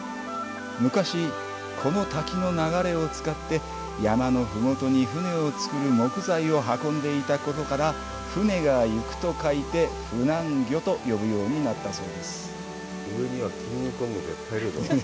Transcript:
昔、この滝の流れを使って山のふもとに舟を造る木材を運んでいたことから「舟が行く」と書いて舟行と呼ぶようになったそうです。